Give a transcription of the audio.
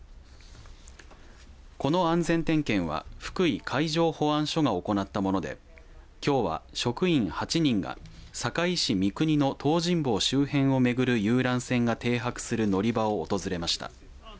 この安全点検は福井海上保安署が行ったものできょうは職員８人が坂井市三国の東尋坊周辺を巡る遊覧船が停泊する乗り場を訪れました。